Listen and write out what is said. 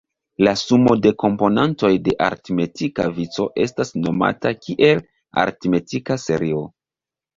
La sumo de komponantoj de aritmetika vico estas nomata kiel aritmetika serio.